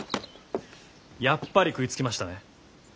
やっぱり食いつきましたね。